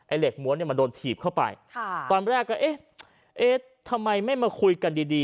เหล็กม้วนเนี่ยมันโดนถีบเข้าไปค่ะตอนแรกก็เอ๊ะเอ๊ะทำไมไม่มาคุยกันดีดี